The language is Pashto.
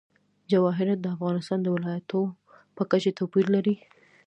جواهرات د افغانستان د ولایاتو په کچه توپیر لري.